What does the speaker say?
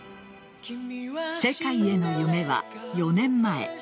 世界への夢は４年前。